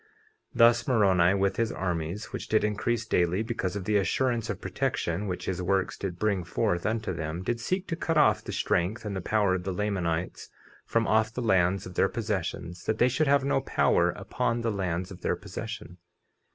50:12 Thus Moroni, with his armies, which did increase daily because of the assurance of protection which his works did bring forth unto them, did seek to cut off the strength and the power of the Lamanites from off the lands of their possessions, that they should have no power upon the lands of their possession.